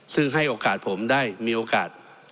ซึ่งให้โอกาสผมได้มีโอกาส